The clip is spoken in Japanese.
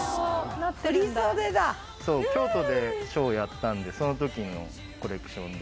そう京都でショーをやったんでそのときのコレクションで。